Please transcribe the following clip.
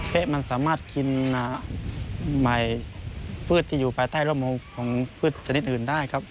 เพะมันสามารถกินใหม่พืชที่ไปใต้ร่วมมุมของพืชอื่นได้